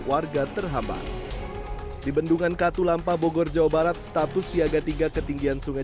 warga terhambat di bendungan katulampa bogor jawa barat status siaga tiga ketinggian sungai